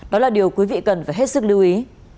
đó là điều quý vị cần phải hết sức lưu ý